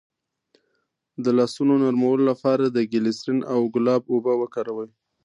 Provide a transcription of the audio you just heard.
د لاسونو نرمولو لپاره د ګلسرین او ګلاب اوبه وکاروئ